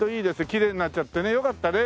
きれいになっちゃってねよかったね